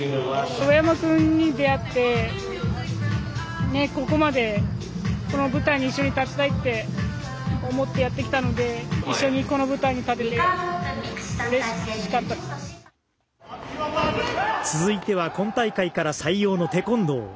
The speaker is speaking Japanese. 上山君に出会ってここまでこの舞台に一緒に立ちたいって思ってやってきたので一緒にこの舞台に立てて続いては今大会から採用のテコンドー。